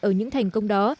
ở những thành công đó